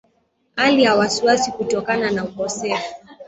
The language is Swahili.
hali ya wasiwasi kutokana na ukosefu